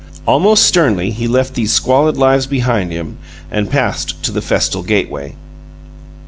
Almost sternly he left these squalid lives behind him and passed to the festal gateway.